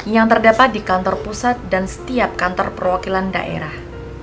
yang terdapat di kantor pusat dan setiap kantor perwakilan daerah